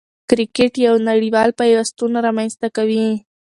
کرکټ یو نړۍوال پیوستون رامنځ ته کوي.